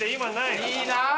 いいなー！